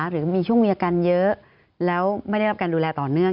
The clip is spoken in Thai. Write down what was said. หรือมีช่วงมีอาการเยอะแล้วไม่ได้รับการดูแลต่อเนื่อง